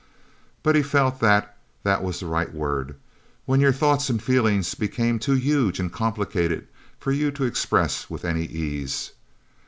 But he felt that that was the right word, when your thoughts and feelings became too huge and complicated for you to express with any ease.